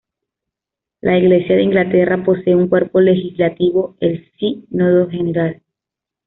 La Iglesia de Inglaterra posee un cuerpo legislativo, el Sínodo General.